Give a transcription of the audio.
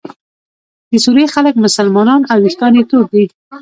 د سوریې خلک مسلمانان او ویښتان یې تور دي.